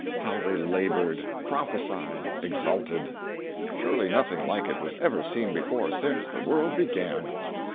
How they labored, prophesied, exulted! Surely nothing like it was ever seen before since the world began.